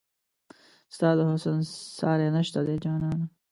ستا د حسن ساری نشته دی جانانه